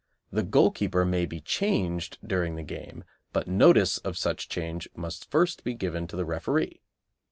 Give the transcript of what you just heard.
The goalkeeper may be changed during the game, but notice of such change must first be given to the referee.